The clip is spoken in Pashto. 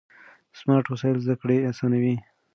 سمارټ وسایل زده کړه اسانوي.